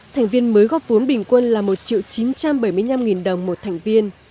thành viên mới góp vốn bình quân là một chín trăm bảy mươi năm đồng một thành viên